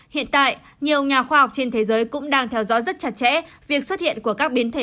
hiện tại nhiều nhà khoa học trên thế giới cũng đang theo dõi rất chặt chẽ việc xuất hiện của các biến thể